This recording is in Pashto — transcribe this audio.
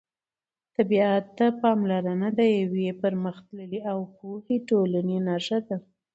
طبیعت ته پاملرنه د یوې پرمختللې او پوهې ټولنې نښه ده.